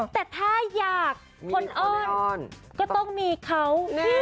แต่ถ้าอยากคนอ้อนก็ต้องมีเขา